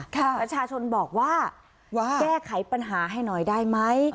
ประชาชนบอกว่าแก้ไขปัญหาให้หน่อยได้ไหม